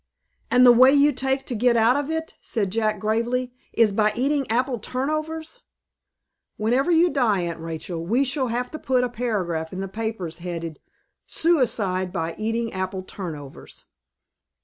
"And the way you take to get out of it," said Jack, gravely, "is by eating apple turnovers. Whenever you die, Aunt Rachel, we shall have to put a paragraph in the papers, headed, 'Suicide by eating apple turnovers.'"